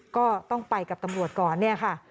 ก็ต้องไปกับตำรวจก่อนเนี่ยค่ะ